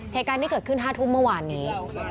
เหตุการณ์นี้เกิดขึ้น๕ทุ่มเมื่อวานนี้